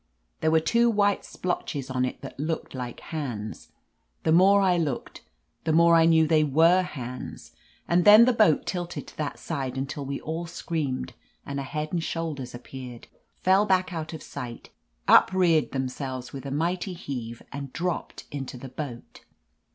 There were two white splotches on it that looked like hands. The more I looked, the more I knew they were hands ! And then the boat tilted to that side until we all screamed, and a head and shoulders appeared, fell back out of sight, upreared themselves with . a mighty heave, and — dropped into the boat.